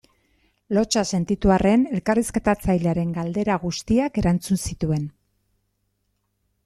Lotsa sentitu arren elkarrizketatzailearen galdera guztiak erantzun zituen.